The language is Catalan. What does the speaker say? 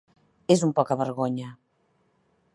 És un pocavergonya.